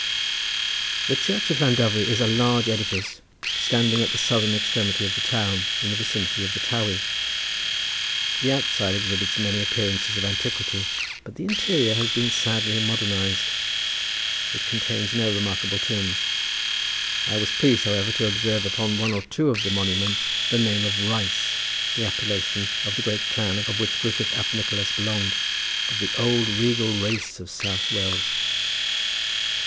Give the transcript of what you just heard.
The church of Llandovery is a large edifice standing at the southern extremity of the town in the vicinity of the Towey. The outside exhibits many appearances of antiquity, but the interior has been sadly modernised. It contains no remarkable tombs; I was pleased, however, to observe upon one or two of the monuments the name of Ryce, the appellation of the great clan to which Griffith ap Nicholas belonged; of old the regal race of South Wales.